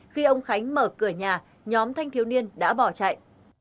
khi ông khánh mở cửa nhà nhóm thanh thiếu niên đã bỏ chạy